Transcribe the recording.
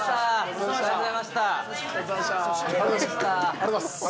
ありがとうございます。